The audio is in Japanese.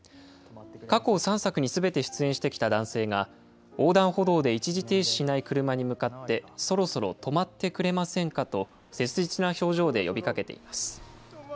過去３作にすべて出演してきた男性が、横断歩道で一時停止しない車に向かって、そろそろ止まってくれませんかと、切実な表情で呼びかけています。